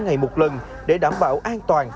ba ngày một lần để đảm bảo an toàn